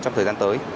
trong thời gian tới